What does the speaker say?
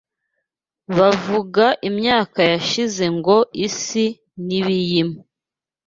bavuga imyaka yashize ngo isi n’ibiyimo